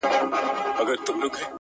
ته دي ټپه په اله زار پيل کړه ـ